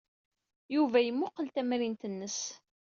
Yuba yemmuqqel tamrint-nnes.